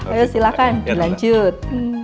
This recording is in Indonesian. ayo silahkan dilanjut